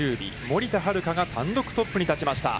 森田遥が単独トップに立ちました。